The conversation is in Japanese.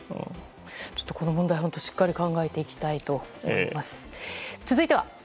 この問題のこと、しっかり考えていきたいと思います。